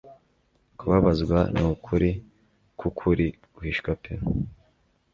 Kubabazwa nukuri kwukuri guhisha pe